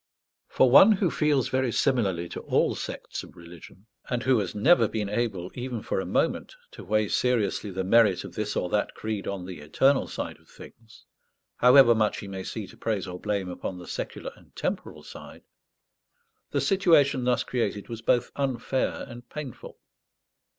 For one who feels very similarly to all sects of religion, and who has never been able, even for a moment, to weigh seriously the merit of this or that creed on the eternal side of things, however much he may see to praise or blame upon the secular and temporal side, the situation thus created was both unfair and painful.